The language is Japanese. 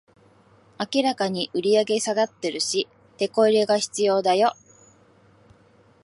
明らかに売上下がってるし、テコ入れが必要だよ